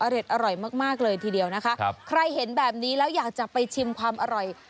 อร่อยมากมากเลยทีเดียวนะคะใครเห็นแบบนี้แล้วอยากจะไปชิมความอร่อย